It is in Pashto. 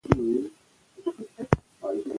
تر هغه چې ښځې کار وکړي، اقتصادي فشار به زیات نه شي.